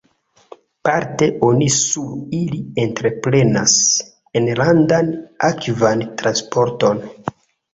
Parte oni sur ili entreprenas enlandan akvan transporton.